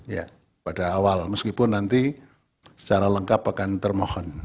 ya pada awal meskipun nanti secara lengkap akan termohon